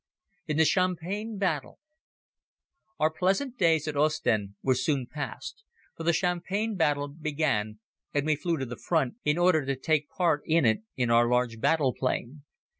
In the Champagne Battle OUR pleasant days at Ostend were soon past, for the Champagne battle began and we flew to the front in order to take part in it in our large battle plane.